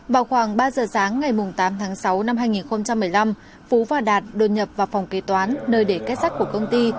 vào khoảng ba giờ sáng ngày tám tháng sáu năm hai nghìn một mươi năm phú và đạt đột nhập vào phòng kế toán nơi để kết sắt của công ty